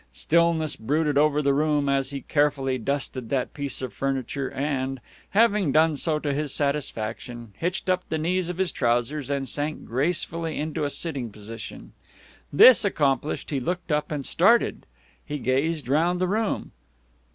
Stillness brooded over the room as he carefully dusted that piece of furniture, and, having done so to his satisfaction, hitched up the knees of his trousers and sank gracefully into a sitting position. This accomplished, he looked up and started. He gazed round the room.